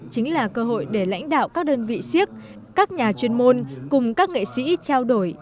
chính là cơ hội để lãnh đạo các đơn vị siếc các nhà chuyên môn cùng các nghệ sĩ trao đổi